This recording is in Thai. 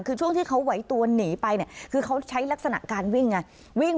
คือช่วงที่เขาไหวตัวหนีไปเนี่ยคือเขาใช้ลักษณะการวิ่งไง